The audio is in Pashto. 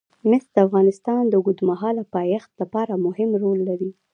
مس د افغانستان د اوږدمهاله پایښت لپاره مهم رول لري.